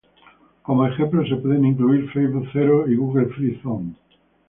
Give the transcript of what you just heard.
Como ejemplos se puede incluir Facebook Zero y Google Free Zone.